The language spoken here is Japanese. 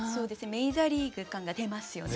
メジャーリーグ感が出ますよね。